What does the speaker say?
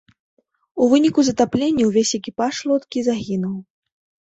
У выніку затаплення ўвесь экіпаж лодкі загінуў.